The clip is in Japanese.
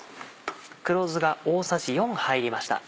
黒酢が大さじ４入りました。